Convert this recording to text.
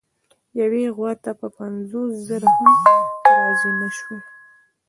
یوې غوا ته په پنځوس زره هم راضي نه شو.